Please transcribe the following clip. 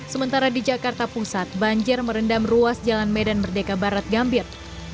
sementara di jakarta pusat banjir merendam ruas jalan medan merdeka barat gambir